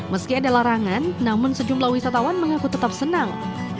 meski ada larangan namun sejumlah wisatawan mengaku tetap senang